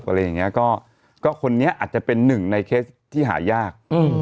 อะไรอย่างนี้ก็คนนี้อาจจะเป็นหนึ่งในเคสที่หายาก